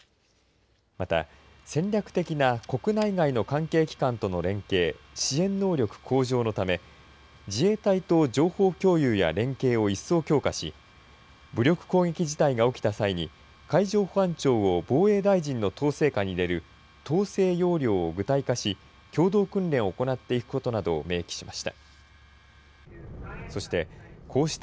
また戦略的な国内外の関係機関との連携・支援能力向上のため、自衛隊と情報共有や連携を一層強化し、武力攻撃事態が起きた際に、海上保安庁を防衛大臣の統制下に入れる、統制要領を具体化し、共同訓練を行っていくことなどを明記しました。